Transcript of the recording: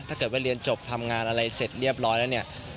ถ้าเกิดว่าเรียนจบทำงานอะไรเสร็จเรียบร้อยแล้วเนี่ย